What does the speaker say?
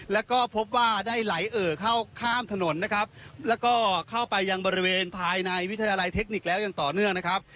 แล้วก็พบว่าได้ไหลเอ่อเข้าข้ามถนนนะครับแล้วก็เข้าไปยังบริเวณภายในวิทยาลัยเทคนิคแล้วอย่างต่อเนื่องนะครับ